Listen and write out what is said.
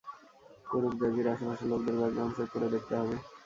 কুরুপ, জাজির আশেপাশের লোকদের background check করে দেখতে হবে।